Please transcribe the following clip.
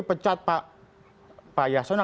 pecat pak yasona